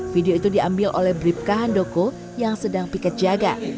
video itu diambil oleh bribka handoko yang sedang piket jaga